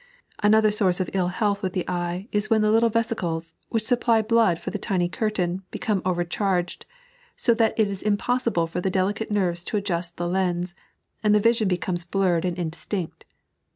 Another source of iU health with the eye is when the little veeiclea, which supply blood for the tiny curtain, be come overcharged, so that it is impossible for the delicate nerves to adjust the lens, and the vision becomes blurred and indistinct.